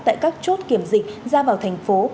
tại các chốt kiểm dịch ra vào thành phố